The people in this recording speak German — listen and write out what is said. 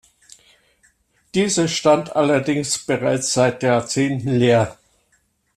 Diese stand allerdings bereits seit Jahrzehnten leer.